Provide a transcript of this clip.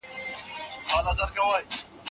لکه مرغه و رپيدم وژړيدمه